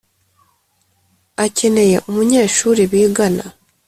akeneye umunyenshuri bigana